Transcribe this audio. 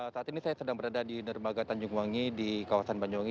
saat ini saya sedang berada di nermaga tanjungwangi di kawasan banyuwangi